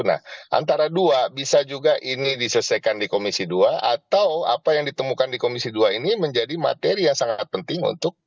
nah antara dua bisa juga ini diselesaikan di komisi dua atau apa yang ditemukan di komisi dua ini menjadi materi yang sangat penting untuk